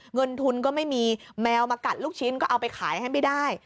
เงินทุนก็ไม่มีแมวมากัดลูกชิ้นก็เอาไปขายให้ไม่ได้